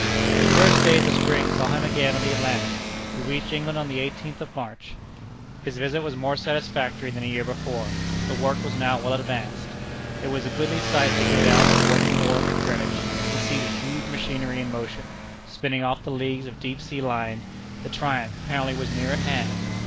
But the first days of spring saw him again on the Atlantic. He reached England on the eighteenth of March. His visit was more satisfactory than a year before. The work was now well advanced. It was a goodly sight to go down to Morden Wharf at Greenwich, and see the huge machinery in motion, spinning off the leagues of deep sea line. The triumph apparently was near at hand.